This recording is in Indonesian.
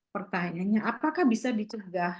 pertanyaannya apakah bisa dicegah